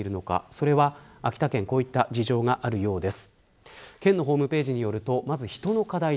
それは秋田県はこういった事情があるようです。